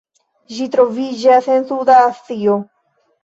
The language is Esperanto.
Ĝi troviĝas en suda Azio.